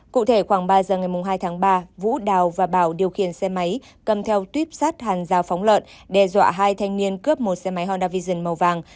cụ thể khoảng ba giờ ngày hai tháng ba vũ đào và bảo điều khiển xe máy cầm theo tuyếp sát hàn dao phóng lợn đe dọa hai thanh niên cướp một xe máy honda vision màu vàng